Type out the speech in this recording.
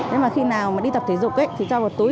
thế mà khi nào mà đi tập thể dục ấy thì cho vào túi